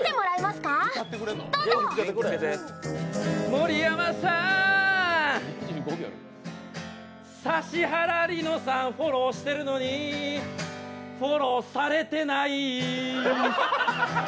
盛山さん、指原莉乃さんフォローしているのにフォローされてない。